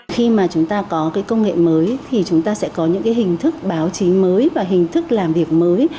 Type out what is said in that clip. khi mà chúng ta có công nghệ mới chúng ta sẽ có những hình thức báo chí mới và hình thức làm việc mới